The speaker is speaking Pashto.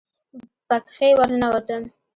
پکښې ورننوتم.